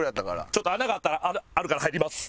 ちょっと穴があったらあるから入ります。